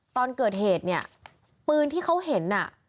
ตอนเกิดเหตุเนี่ยปืนที่เขาเห็นน่ะ